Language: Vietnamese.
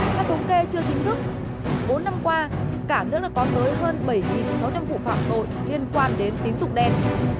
theo thống kê chưa chính thức bốn năm qua cả nước đã có tới hơn bảy sáu trăm linh vụ phạm tội liên quan đến tín dụng đen